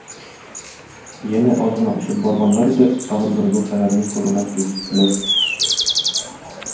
Янә аз гына очып барганнар иде, тагын бер зур шәһәрнең турына килеп җиттеләр.